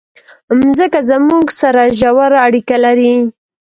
مځکه زموږ سره ژوره اړیکه لري.